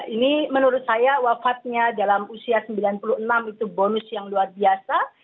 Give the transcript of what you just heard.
ini menurut saya wafatnya dalam usia sembilan puluh enam itu bonus yang luar biasa